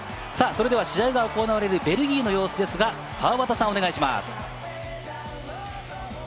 試合が行われるベルギーの様子ですが、川畑さん、お願いします。